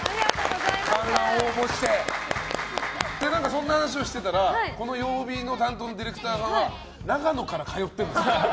そんな話をしてたらこの曜日の担当のディレクターが長野から通ってるんですよ。